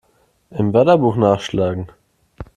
Im Wörterbuch nachschlagen!